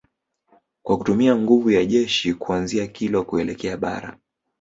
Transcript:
Kwa kutumia nguvu ya jeshi kuanzia Kilwa kuelekea Bara